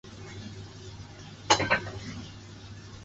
球队现在参加罗马尼亚足球甲级联赛的赛事。